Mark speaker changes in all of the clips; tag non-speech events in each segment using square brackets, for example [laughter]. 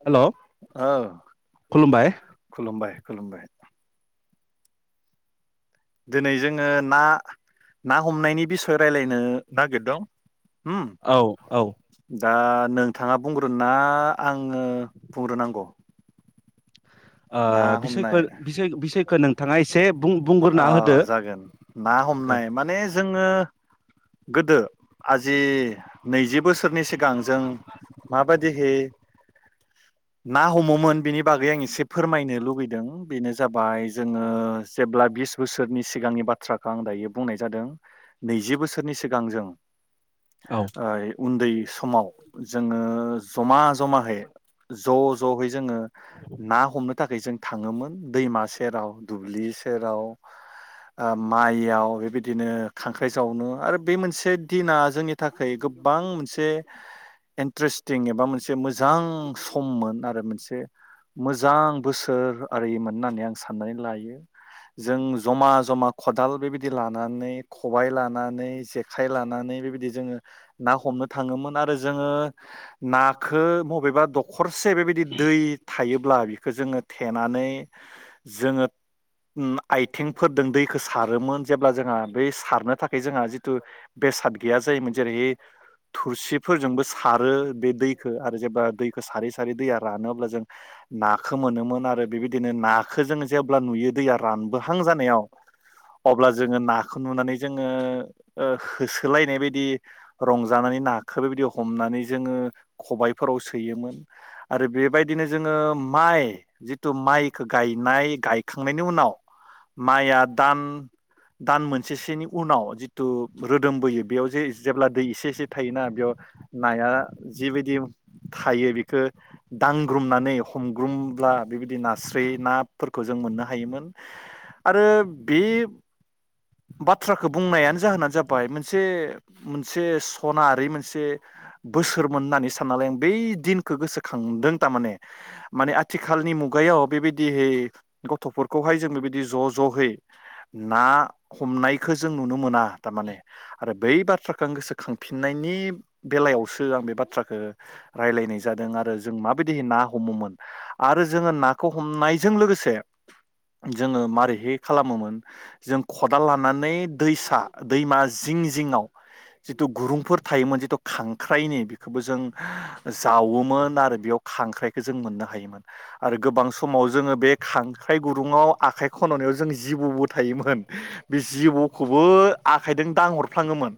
Speaker 1: हेल'। औ खुलुमबाय खुलुमबाय खुलुमबाय दिनै जोङो ना ना हमनायनि बिसय रायलायनो नागिरदों होम
Speaker 2: औ औ
Speaker 1: दा नोंथाङा बुंग्रोनोंना आं आङो बुंग्रोनांगौ? ना हमनाय
Speaker 2: बिसयखो
Speaker 1: [inaudible]
Speaker 2: बिसय बिसयखो नोंथाङा एसे बुं बुंग्रोना होदो
Speaker 1: अ जागोन ना हमनाय माने जोङो गोदो आजि नैजि बोस सोरनि सिगां जों माबायदिहै ना हमोमोन बिनि बागै आं एसे फोरमायनो लुबैदों बेनो जाबाय जोङो जेब्ला बिस बोसोरनि सिगांनि बाथ्राखौ आं दायो बुंनाय जादों नैजि बोसोरनि सिगां जों
Speaker 2: औ
Speaker 1: ओ उन्दै समाव जोङो जमा जमायै ज जह जोङो ना थाखाय जों थाङोमोन दैमा सेराव दुब्लि सेराव माइयाव बेबायदिनो खांख्राइ जावनो आरो बे मोनसे दिना जोंनि थाखाय गोबां मोनसे इन्टारेस्टिं एबा मोनसे मोजां सममोन आरो मोनसे जां बोसोर ओरैमोन होननानै आं साननानै लायो जों जमा जमा खदाल बेबायदि लानानै खबाय लानानै जे आखाइ लानानै बेबायदि जोङो ना हमनो थाङोमोन आरो जोङो नाखौ बबेबा दखरसे बेबायदि दै थायोब्ला जोङो थेनानै जोङो आइथिंफोरदों दैखौ सारोमोन जेब्ला जोंहा बै सारनो थाखाय जोंहा जिथु बेसाद गैया जायोमोन जेरै थोरसिफोरजोंबो सारो बे दैखो आरो जेब्ला दैखौ सारै सारै दैया रानो अब्ला जों नाखौ खौ मोनोमोन आरो बेबायदिनो नाखौ जों जेब्ला नुयो दैया रानबोहां जानायाव अब्ला जोङो नाखौ नुनानै जोङो ओ होसोलायनाय बायदि रंजानानै ना खो बेबायदि हमनानै जोङो खबायफोराव सोयोमोन आरो बेबायदिनो जोङो माइ जिथु माइखो गायनाय गाय खांनायनि उनाव माइया दान दान मोनसेसोनि उनाव जि थु रोदोम बोयो बेयाव जे जेब्ला दै एसे एसे थायोना बेयाव नाया जिबायदि थायो बेखौ दांग्रोमनानै खमग्रोमब्ला बेबायदि नास्राय नाफोर खौ जों मोननो हायोमोन आरो बे बाथ्राखौ बुंनायानो जाहोना जाबाय मोनसे मोनसे सनारि मोनसे बोसोरमोन होननानै साननानै लायोमोन बै दिन खौ गोसोखांदों थारमाने। माने आथिखालनि मुगायाव बेबायदिहै गथ' फोरखौहाय जों बेबायदि ज' ज' है ना हमनायखौ जों नुनो मोना थारमाने आरो बै बा फोरखौ गोसोखांफिननायनि बेलायावसो आं बे बाथ्राखौ रायलायनाय जादों आरो जों माबायदि ना हमोमोन आरो जोङो नाखौ हमनायजों लोगोसे जोङो मारैहै खालामोमोन जों खदाल लानानै दैसा दैमा जिं जिंआव जिथु गुरुंफोर थायोमोन जिथु खांख्राइनि बेखौ जों जावोमोन आरो बेयाव खांख्राइखौ जों मोननो हायोमोन आरो गोबां समाव जोङो बे खां ख्राइ गुुरुङआव आखाइ खन'नायाव जों जिबौ उट थायोमोन बे जिबौ खौबो आखाइजों दांहरफ्लाङोमोन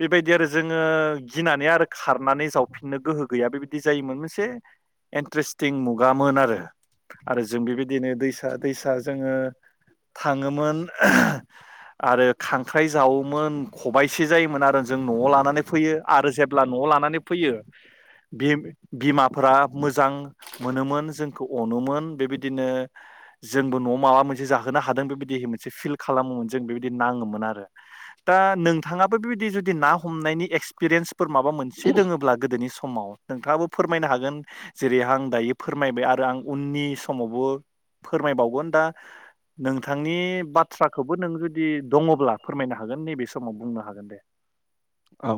Speaker 1: बेबायदि आरो जोङो गिनानै आरो खारनानै जावफिननो गोहो गैया बेबायदि जायोमोन मोनसे इन्ट्रेस्ट थिं मुगामोन आरो आरो जों बेबायदिनो दैसा दैसा जोङो थाङोमोन आरो खांख्राइ जावोमोन खबाइसे जायोमोन आरो जों न'आव लानानै फैयो आरो जेब्ला न'आव लानानै फैयो बि बिमाफोरा मोजां मोनोमोन जोंखौ अनोमोन बेबायदिनो जोंबो न'आव माबा मोनसे जाहोनो हादों बेबायदि मोनसे फिल खालामोमोन जों बेबायदि नाङोमोन आरो। दा नोंथाङाबो बेबायदि जुदि ना हमनायनि एक्सपिरियेन्सफोर माबा मोनसे दोङब्ला गोदोनि सम समाव नोंथाङाबो फोरमायनो हागोन। जेरै आं दायो फोरमायबाय आरो आं उननि समावबो फोरमायबावगोन दा नोंथांनि बाथ्राखौबो नों जुदि दङब्ला फोरमायनो हागोन नैबे समाव बुंनो हागोन। गोन दे
Speaker 2: औ ओ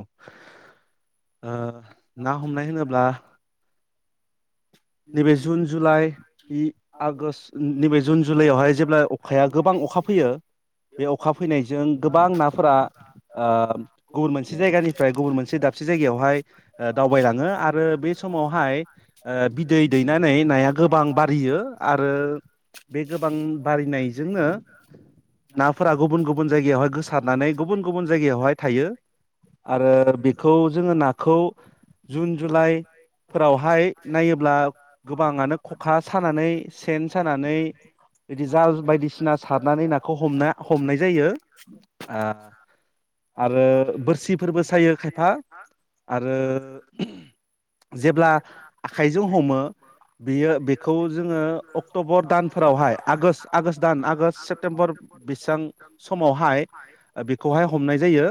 Speaker 2: ना हमनाय होनोब्ला
Speaker 1: नैबे जुन जुलाइ इ आगष्ट नैबे जुन जुलाइयावहाय जेब्ला अखाया गोबां अखा फैयो बे अखा फैनायजों गोबां नाफोरा ओ गुबुन मोनसे जायगानिफ्राय गुबुन मोनसे दाबसे जायगायावहाय ओ दावबायलाङो आरो बे समावहाय ओ
Speaker 2: बिदै दैनानै नाया गोबां बारियो आरो बे गोबां बारिनायजोंनो नाफोरा गुबुन गुबुन जायगायावहाय गोसारनानै गुबुन गुबुन जायगायावहाय थायो आरो बेखौ जोङो नाखौ जुन जुलाइफोरावहाय नायो ब्ला गोबाङानो खखा सानानै सेन सानानै बिदि जाल बायदिसिना सारनानै नाखौ हमना हमनाय जायो आ आरो बोरसिफोरबो सायो खायफा आरो जेब्ला आख जों हमो बेयो बेखौ जोङो अक्ट'बर दानफोरावहाय आगोष्ट आगोष्ट दान आगोष्ट सेप्तेम्बर बिसां समावहाय ओ बेखौहाय हमनाय जायो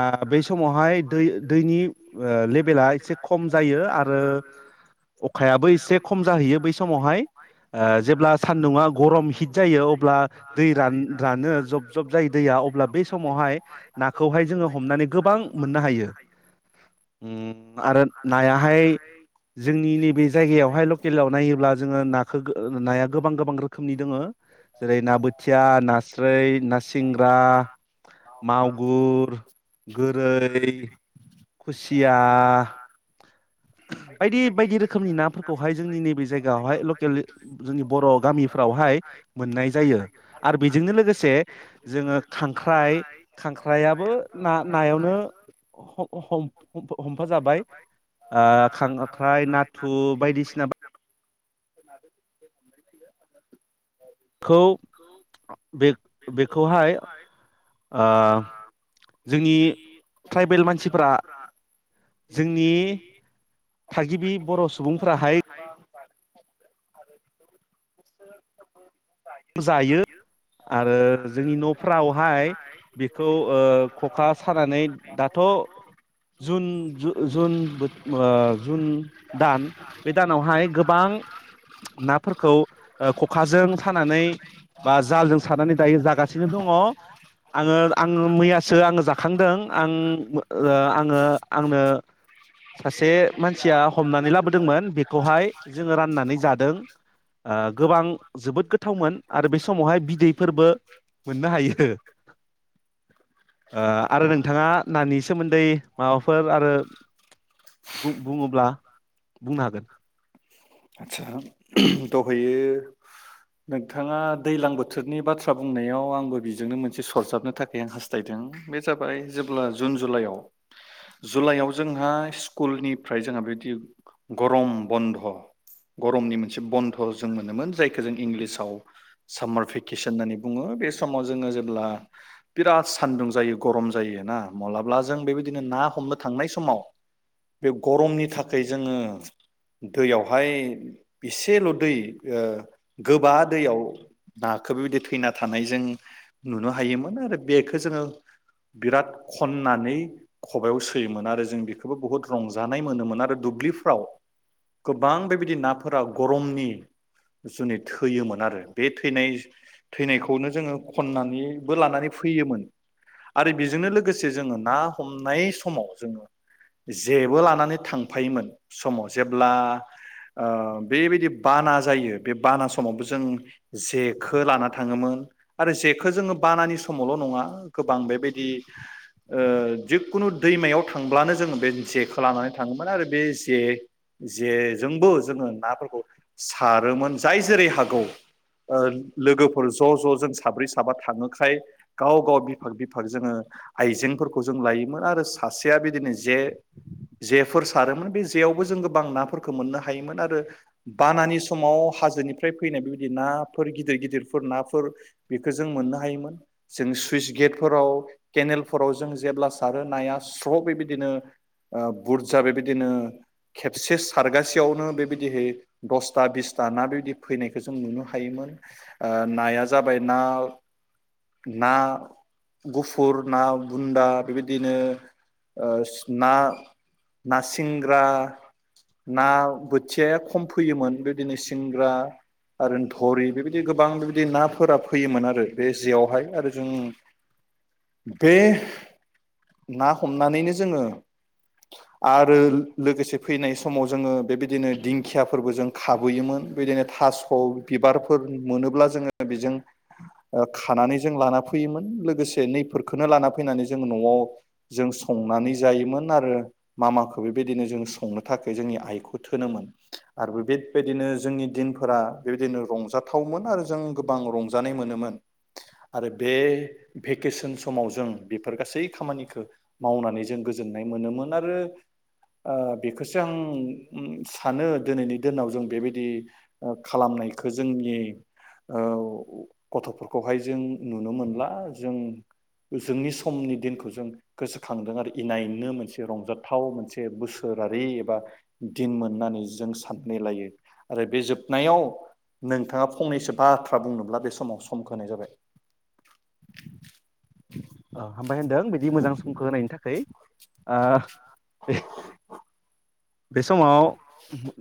Speaker 2: आ बै समावहाय दै दैनि ओ लेबेला एसे खम जायो आरो अखायाबो एसे खम जाहैयो बै समावहाय ओ जेब्ला सान्दुंङा गरम हिट जायो अब्ला दै रान रानो जब जब जायो दैया अब्ला बै समावहाय नाखौहाय जोङो हमनानै गोबां मोननो हायो उम आरो नायाहाय जोंनि नैबे जायगायावहाय लकेलाव नायोब्ला जोङो नाखो नाया गोबां गोबां रोखोमनि दोङो जेरै ना बोथिया नास्रोइ ना सिंग्रा मागुर गोरै खुसिया बायदि बायदि रोखोमनि नाफोरखौहाय जोंनि नैबे जायगायावहाय लकेल जोंनि बर' गामिफ्रावहाय मोननाय जायो आरो बेजोंनो लोगोसे जोङो खांख्राइ खांख्राइाबो ना नायावनो हमफ जाबायां [unintelligible] नाथु बायदिसिना बा
Speaker 1: [inaudible]
Speaker 2: खौ बेख बेखौहाय ओ जोंनि ट्राइबेल मानसिफोरा जोंनिथाइ
Speaker 1: [unintelligible]
Speaker 2: जायो आरो जोंनि न'फ्रावहाय बेखौ खखा सानानै दाथ' जुन जुन जुन दान बे दानावहाय गोबां नाफोरखौ ओ ख'खाजों सानानै बा जालजों सानानै दायो जागासिनो दङ' आङो आङो मैयासो आङो जाखांदों आं मो ओ आङो आंनो सासे मानसिया ह हमनानै लाबोदोंमोन बेखौहाय जोङो राननानै जादों गोबां जोबोद गो गोथावमोन आरो बे समावहाय बिदैफोरबो मोननो हायो आरो नोंथाङा नानि सोमोन्दै माबाफोर आरो बुङोब्ला बुंनो हागोन
Speaker 1: आतसा [unintelligible] बेयो नोंथांआ दैलां बोथोरनि बाथ्रा बुंनायाव आंबो बिजोंनो मोनसे सरजाबनो थाखाय आं हास्थायदों बे जाबाय जेब्ला जुन जुलाइआव जुलाइआव जोंहा स्कुलनिफ्राय जोंहा बे [unintelligible] गरम बन्ध गरमनि मोनसे बन्ध जों मोनोमोन जायखौ जों इंग्लिसाव सामार भेकेसन होननानै बुङो बे समाव जोङो जेब्ला बिराद सान्दुं जायो गरम जायोना मलाब्ला जों बेबायदिनो ना हमनो थांनाय समाव बे गरमनि थाख खाय जोङो दैयावहाय एसेल' दै ओ गोबा दैयाव नाखो बेबायदि थैना थानाय जों नुनो हायोमोन आरो बेखो जोङो बिराद खननानै खबायाव सोयोमोन आरो जों बेखौबो बुहुत रंजानाय मोनोमोन आरो दुब्लिफ्राव गोबां बेबायदि नाफोरा गरमनि जुुनि थैयोमोन आरो बे थैनाय थैनायखौनो जोङो खननानैबो लानानै फैयोमोन आरो बेजोंनो लोगोसे जोङो ना हमनाय समाव जोङो जेबो लानानै थां फायोमोन समाव जेब्ला ओ बेबायदि बाना जायो बे बाना समावबो जों जेखो लाना थाङोमोन आरो जेखो जोङो बानानि समावल' नङा गोबां बेबायदि ओ जिकुनु दैमायाव थांब्लानो जोङो बे जेखौ लानानै थाङो मोन आरो बे जे जेजोंबो जोङो नाफोरखौ सारोमोन जाय जेरै हागौ ओ लोगोफोर ज' ज' जों साब्रै साबा थाङोखाय गाव गाव बिफाग बिफाग जोङो आइजेंफोरखौ जों लायोमोन आरो सासेया बिदिनो जे जे फोर सारोमोन बे जेयावबो जों गोबां नाफोरखो मोननो हायोमोन आरो बानानि समाव हाजोनिफ्राय फैनाय बेबायदि नाफोर गिदिर गिदिरफोर नाफोर बेखो जों मोननो हायोमोन जों सुइस गेटफोराव केनेलफोराव जों जेब्ला सारो नाया स्र' बेबायदिनो ओ बुरजा बेबायदिनो खेबसे सारगासेयावनो बेबायदिहै दसथा बिसथा ना बेबायदि फैनायखौ जों नुनो हायोमोन ओ नाया जाबाय ना ना गुफुर ना बुन्दा बेबायदिनो ओस ना ना सिंग्रा ना बोथियाया खम फैयोमोन बेदिनो सिंग्रा आरो धरि बेबायदि गोबां बेबायदि नाफोरा फैयोमोन आरो बे जेयावहाय आरो जों बे ना हमनानैनो जोङो आरो लोगोसे फैनाय समाव जोङो बेबायदिनो दिंखियाफोरबो जों खाबोयोमोन बेदिनो थास' बिबारफोर मोनोब्ला जोङो बेजों ओ खानानै जों लाना फैयोमोन लोगोसे नैफोरखोनो लाना फैनानै जों न'आव जों संनानै जायोमोन आरो मामाखो बेबायदिनो जों संनो थाखाय जोंनि आइखुथ होनोमोन आरो बेदबेदिनो जोंनि दिनफोरा बेबायदिनो रंजाथावमोन आरो जों गोबां रंजानाय मोनोमोन आरो बे भेकेसन समाव जों बेफोर गासै खामानिखो मावनानै जों गोजोननाय मोनोमोन आरो ओ बेखौसो आं सानो दिनैनि दिनाव जों बेबायदि ओ खालामनायखौ जोंनि ओ गथ'फोरखौहाय जों नुनो मोनला जों जोंनि समनि दिनखौ जों गोसोखांदों आरो इनायनो मोनसे रंजाथाव मोनसे बोसोरारि एबा दिन मोननानै जों साननानै लायो आरो बे जोबनायाव नोंथाङा फंनैसो बाथ्रा बुंनोब्ला बे समाव सम होनाय जाबाय
Speaker 2: औ हामबाय होनदों बिदि मोजां समखौ होनायनि थाखाय ओ बे समाव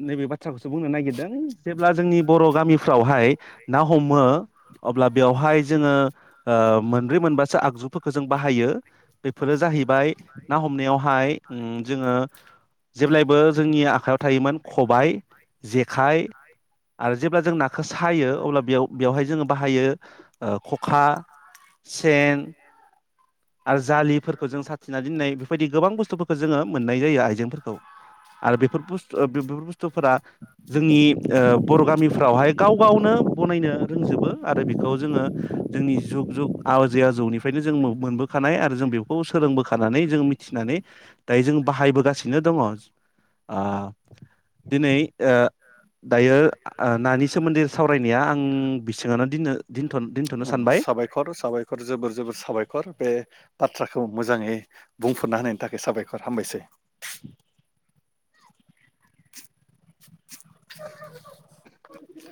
Speaker 2: नैबे बाथ्राखौ जों बुंनो नागिरदों जेब्ला जोंनि बर' गामिफ्रावहाय ना हमो अब्ला बेयावहाय जोङो मोनब्रै ओ मोनबासो आगजुफोरखौ जों बाहायो बेफोरो जाहैबाय ना हमनायावहाय जोङो जेब्लायबो जोंनि आखायाव थायोमोन खबाइ जे आरो जेब्ला जों नाखौ सायो अब्ला बेयाव बेवहाय जोङो बाहायो ख'खा, सेन आरो जालिफोरखौ जों साथिनानै दोननाय बेफोरबायदि गोबां बुस्थुफोरखौ जोङो मोननाय जायो आइजेंफोरखौ आरो बेफोर बुसथु बेफोर बुस्थुफोरा जोंनि ओ बर' गामिफ्रावहाय गाव गावनो बनायनो रोंजोबो आरो बेखौ जोङो जोंनि जुग जुग आ जै आजौनिफ्रायनो जों मोनबो होखानाय आरो जों बेखौ सोलोंबोखानानै जों मिथिनानै दायो जों बाहायबोगासिनो दङ आ दिनै ओ दायो ओ नानि सोमोन्दै सावरायनाया आं बिसिङावनो दोननो दोनथ'नो सानबाय
Speaker 1: साबायखर साबायखर जोबोर जोबोर साबायखर बे बाथ्राखौ मोजाङै बुंफोरना होनायनि थाखाय साबायखर हामबायसै [unintelligible] [unintelligible] [unintelligible]